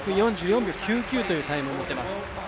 １分４４秒９９というタイムを持っています。